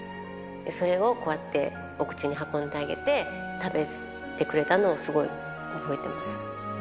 それをこうやって、お口に運んであげて、食べてくれたのを、すごい覚えてます。